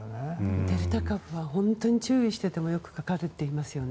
デルタ株は本当に注意していてもよくかかるっていいますよね。